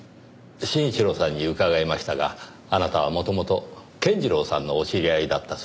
真一郎さんに伺いましたがあなたは元々健次郎さんのお知り合いだったそうですねぇ。